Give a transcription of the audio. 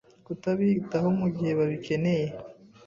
kutabitaho mu gihe babikeneye,